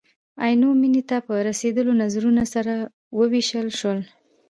عینو مینې ته په رسېدلو نظرونه سره ووېشل شول.